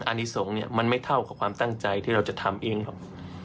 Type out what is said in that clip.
อันนี้สงฆ์เนี่ยมันไม่เท่ากับความตั้งใจที่เราจะทำเองหรอก